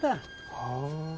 はあ。